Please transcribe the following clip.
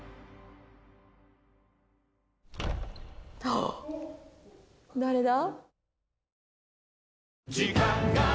あっ誰だ？